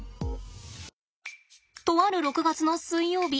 とある６月の水曜日